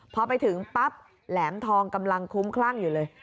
พอไปถึงปั๊บแหลมทองกำลังคุ้มคลั่งอยู่เลย